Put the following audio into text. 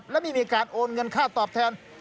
และไม่มีการโอนเงินค่าตอบแทน